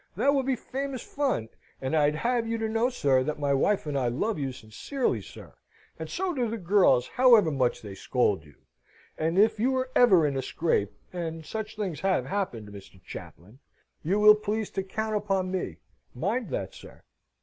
That will be famous fun and I'd have you to know, sir, that my wife and I love you sincerely, sir and so do the girls, however much they scold you. And if you ever are in a scrape and such things have happened, Mr. Chaplain! you will please to count upon me. Mind that, sir!"